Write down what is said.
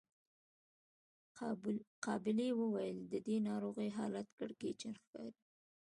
قابلې وويل د دې ناروغې حالت کړکېچن ښکاري.